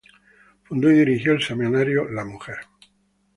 Fundó y dirigió el semanario "La Mujer.